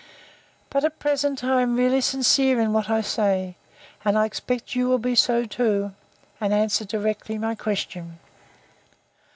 But, at present, I am really sincere in what I say: And I expect you will be so too; and answer directly my question.